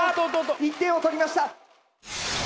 １点を取りました。